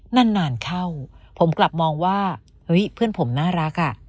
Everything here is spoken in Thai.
นานเข้าผมกลับมองว่าเฮ้ยเพื่อนผมน่ารักอ่ะ